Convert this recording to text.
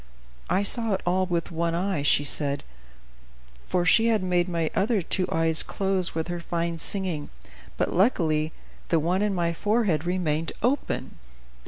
"I saw it all with one eye," she said; "for she had made my other two eyes close with her fine singing, but luckily the one in my forehead remained open."